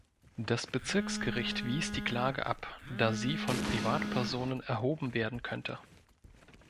Das Bezirksgericht wies die Klage ab, da sie von Privatpersonen erhoben werden könnte.